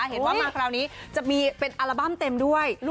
เห็นว่ามาคราวนี้จะมีเป็นอัลบั้มเต็มด้วย